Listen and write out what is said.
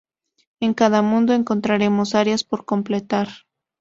En cada mundo, encontraremos áreas por completar.